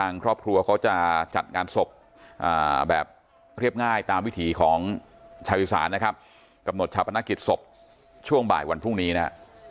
ง่ายตามวิถีของชาวยุศาลนะครับกำหนดชาวประนักกิจศพช่วงบ่ายวันพรุ่งนี้นะ